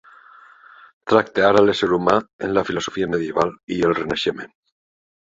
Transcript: Tracte ara l'ésser humà en la filosofia medieval i el Renaixement.